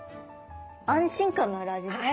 安心感のある味ですね。